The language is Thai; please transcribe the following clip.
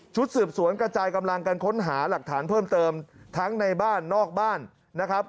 สืบสวนกระจายกำลังกันค้นหาหลักฐานเพิ่มเติมทั้งในบ้านนอกบ้านนะครับ